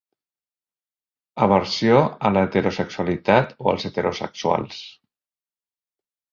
Aversió a l’heterosexualitat o als heterosexuals.